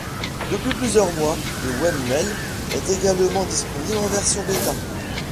Depuis plusieurs mois, le webmail est également disponible en version bêta.